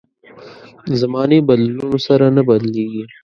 زمانې بدلونونو سره نه بدلېږي.